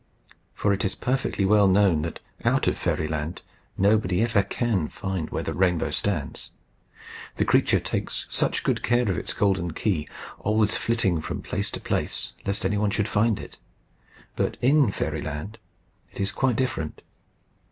For it is perfectly well known that out of Fairyland nobody ever can find where the rainbow stands. The creature takes such good care of its golden key, always flitting from place to place, lest anyone should find it! But in Fairyland it is quite different.